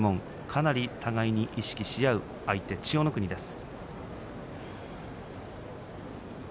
かなり互いに意識し合う相手千代の国です。